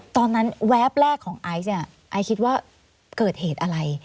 แวบแรกของไอซ์เนี่ยไอซ์คิดว่าเกิดเหตุอะไร